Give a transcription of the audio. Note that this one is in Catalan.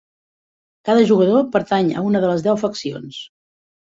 Cada jugador pertany a una de les deu faccions.